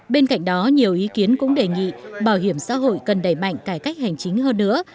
bên cạnh đó nhiều ý kiến cũng đề nghị bảo hiểm xã hội cần đẩy mạnh cải cách hành chính hơn nữa